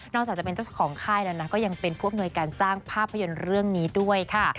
จากจะเป็นเจ้าของค่ายแล้วนะก็ยังเป็นผู้อำนวยการสร้างภาพยนตร์เรื่องนี้ด้วยค่ะ